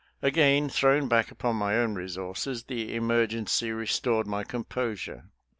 Again thrown back upon my own resources, the emergency restored my composure.